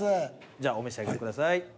じゃあお召し上がりください。